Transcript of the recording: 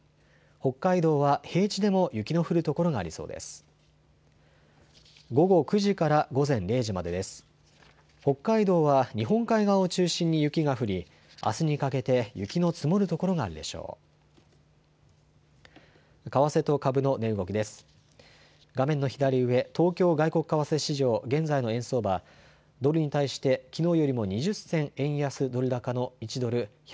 北海道は日本海側を中心に雪が降り、あすにかけて雪の積もるところがあるでしょう。